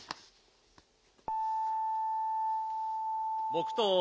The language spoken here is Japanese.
黙とう。